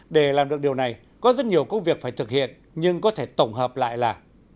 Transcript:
để làm được điều này có rất nhiều công việc phải thực hiện nhưng có thể tổng hợp lại là